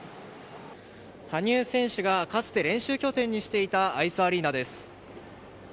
羽生選手がかつて練習拠点にしていたアイスアリーナです。